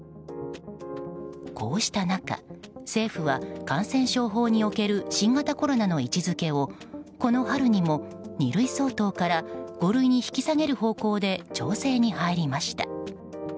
こうした中、政府は感染症法における新型コロナの位置づけをこの春にも、二類相当から五類に引き下げる方向で調整に入りました。